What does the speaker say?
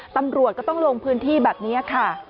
ตำรวจก็ต้องลงพื้นที่แบบนี้ค่ะ